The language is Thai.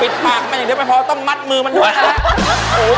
ปากมันอย่างเดียวไม่พอต้องมัดมือมันด้วยนะครับ